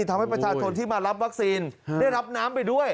ทำให้ประชาชนที่มารับวัคซีนได้รับน้ำไปด้วย